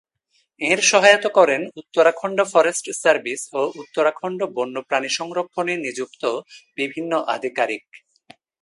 এঁর সহায়তা করেন Uttarakhand forest service ও উত্তরাখণ্ড বন্যপ্রাণী সংরক্ষণে নিযুক্ত বিভিন্ন আধিকারিক।